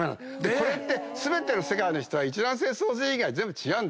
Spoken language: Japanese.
これって全ての世界の人は一卵性双生児以外は全部違う。